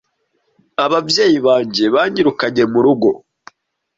Ababyeyi banjye banyirukanye mu rugo.